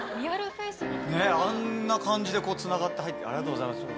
ねぇあんな感じでつながって入ってありがとうございます。